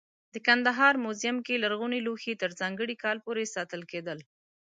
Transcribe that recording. د کندهار موزیم لرغوني لوښي تر ځانګړي کال پورې ساتل کېدل.